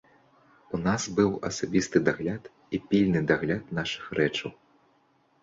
У нас быў асабісты дагляд і пільны дагляд нашых рэчаў.